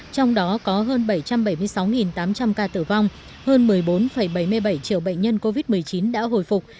trong đó có hơn bảy trăm bảy mươi sáu tám trăm linh ca tử vong hơn một mươi bốn bảy mươi bảy triệu bệnh nhân covid một mươi chín đã hồi phục